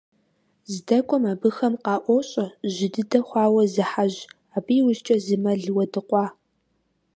ЗдэкӀуэм абыхэм къаӀуощӀэ жьы дыдэ хъуауэ зы хьэжь, абы и ужькӀэ зы мэл уэдыкъуа.